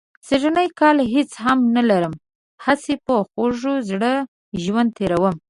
سږنی کال هېڅ هم نه لرم، هسې په خوږ زړه ژوند تېروم.